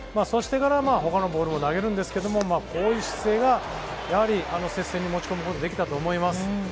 ほかのボールも投げるんですけど、こういう姿勢があの接戦に持ち込むことができたと思います。